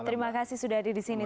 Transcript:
terima kasih sudah ada di sini